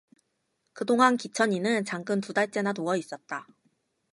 그 동안 기천이는 장근 두 달째나 누워 있었다.